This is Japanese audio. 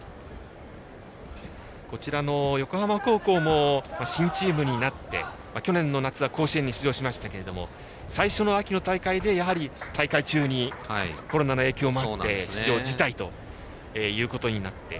こちらの横浜高校も新チームになって去年の夏は甲子園に出場しましたが最初の秋の大会で、やはり大会中にコロナの影響もあって出場辞退ということになって。